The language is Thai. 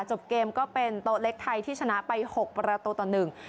จบเกมก็เป็นโต๊ะเล็กไทยที่ชนะไปหกประตูต่อหนึ่ง